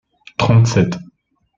Trente-sept.